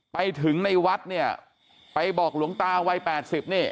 ไปถึงในวัดเนี่ยไปบอกหลวงตาวัย๘๐นี่